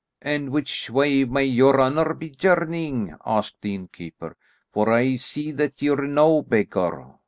"And which way may your honour be journeying?" asked the innkeeper, "for I see that you are no beggar."